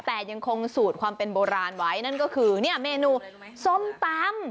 แต่ยังคงสูตรความเป็นโบราณไว้นั่นก็คือเนี่ยเมนูส้มตำ